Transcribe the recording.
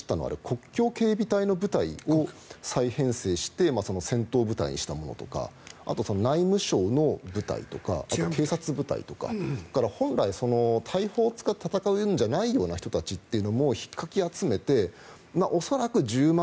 国境警備隊の部隊を再編成して戦闘部隊にしたものとかあと内務省の部隊とか警察部隊とかそれから本来、大砲を使って戦うような人じゃない人もひっかき集めて恐らく１０万